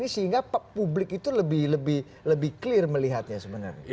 sehingga publik itu lebih clear melihatnya sebenarnya